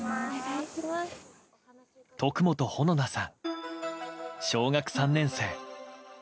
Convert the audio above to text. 徳元穂菜さん、小学３年生。